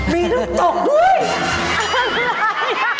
มีน้ำตกด้วย